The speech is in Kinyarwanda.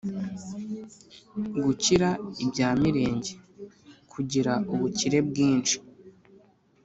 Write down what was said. gukira ibya mirenge: kugira ubukire bwinshi